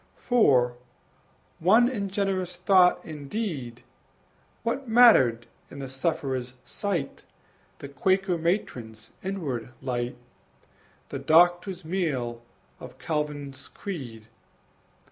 For, one in generous thought and deed, What mattered in the sufferer's sight The Quaker matron's inward light, The Doctor's mail of Calvin's creed?